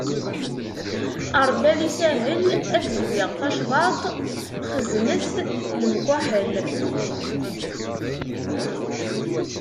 Ṛebbi ad isahel, ad zwiɣ tacḍaṭ xeznet lemkaḥel.